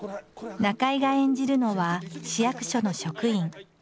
中井が演じるのは市役所の職員。